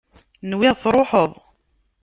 Nwiɣ truḥeḍ.